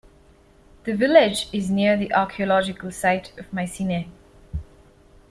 The village is near the archaeological site of Mycenae.